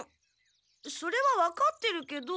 それはわかってるけど。